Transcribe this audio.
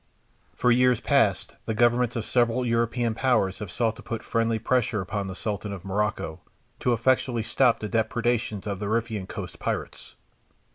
For years past the Governments of several European Powers have sought to put friendly pressure upon the Sultan of Morocco to effectually stop the depredations of the Riffian coast pirates.